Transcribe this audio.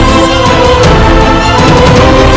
baik ayahanda prabu